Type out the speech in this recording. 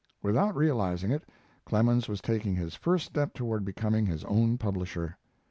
Without realizing it, Clemens was taking his first step toward becoming his own publisher.